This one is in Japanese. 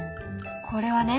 これはね